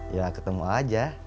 ya ketemu aja